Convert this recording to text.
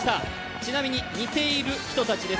ちなみに似ている人たちです。